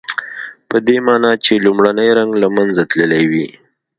پدې معنی چې لومړنی رنګ له منځه تللی وي.